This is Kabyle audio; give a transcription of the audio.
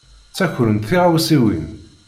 Ttakrent tiɣawsiwin.